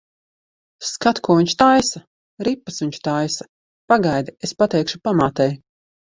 Skat, ko viņš taisa! Ripas viņš taisa. Pagaidi, es pateikšu pamātei.